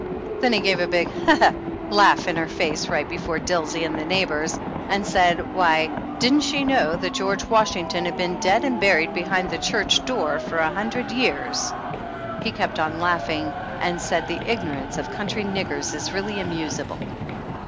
Then he gave a big ha ! ha ! laugh in her face, right before Dilsey and the neighbors and said why, didn't she know that George Washington had been dead and buried behind the church door for a hundred years? He kept on laugh ing and said the "ignorance of country niggers is really amusable."